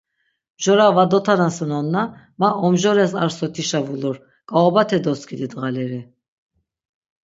Mjora va dotanasunonna ma omjores ar sotişa vulur, k̆aobate doskidi dğaleri.